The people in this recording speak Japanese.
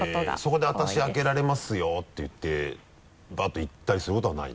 そこで「私開けられますよ」って言ってバッと行ったりすることはないんだ？